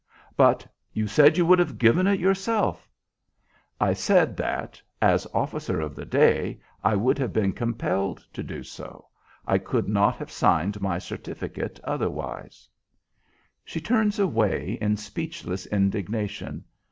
"But you said you would have given it yourself." "I said that, as officer of the day, I would have been compelled to do so. I could not have signed my certificate otherwise." She turns away in speechless indignation.